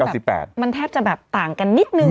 มันแทบจะแบบต่างกันนิดนึง